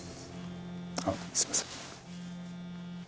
あっすいません。